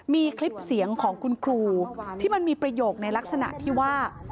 มีคลิปเสียงของคุณครูที่มันมีประโยคในลักษณะที่ว่า